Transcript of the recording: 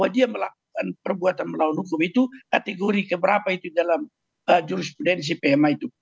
dia melakukan perbuatan melawan hukum itu kategori keberapa itu dalam jurisprudensi pma itu